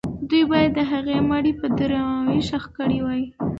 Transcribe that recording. دوی باید د هغې مړی په درناوي ښخ کړی وای.